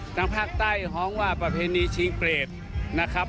ทางภาคใต้ฮ้องว่าประเพณีชิงเปรตนะครับ